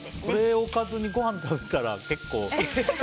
これおかずにご飯食べたら、結構。